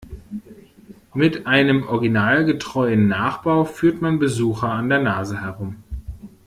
Mit einem originalgetreuen Nachbau führt man Besucher an der Nase herum.